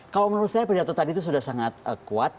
kalau menurut saya pidato tadi itu sudah sangat kuat